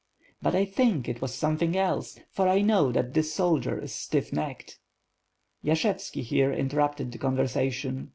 "But I think it was something else, for I know that this soldier is stiff necked." Yashevski here interrupted the conversation.